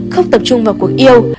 bảy không tập trung vào cuộc yêu